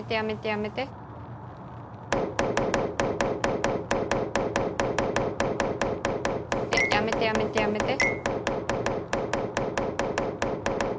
やめて、やめて、やめて。